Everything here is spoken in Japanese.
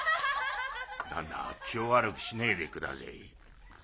だんな気を悪くしねえでくだせぇ。